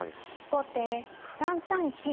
後手３三金。